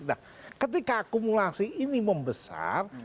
nah ketika akumulasi ini membesar